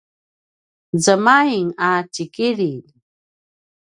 zemaing a tjikililj